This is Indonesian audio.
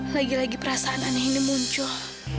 lagi lagi perasaan aneh ini muncul